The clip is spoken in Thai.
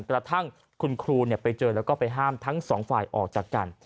กระทั่งคุณครูไปเจอแล้วก็ไปห้ามทั้งสองฝ่ายออกจากกัน